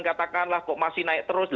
katakanlah kok masih naik terus